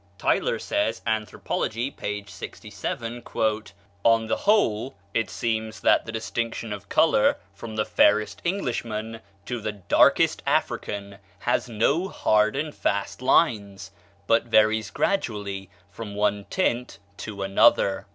Tylor says ("Anthropology," p. 67), "On the whole, it seems that the distinction of color, from the fairest Englishman to the darkest African, has no hard and fast lines, but varies gradually from one tint to another."